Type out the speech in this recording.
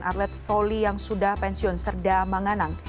arlet foli yang sudah pensiun serda manganang